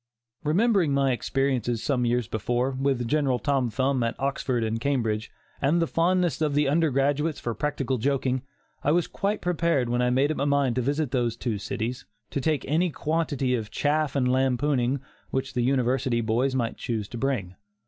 Remembering my experiences, some years before, with General Tom Thumb at Oxford and Cambridge, and the fondness of the undergraduates for practical joking, I was quite prepared when I made up my mind to visit those two cities, to take any quantity of "chaff" and lampooning which the University boys might choose to bring.